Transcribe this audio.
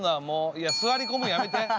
いや座り込むんやめて。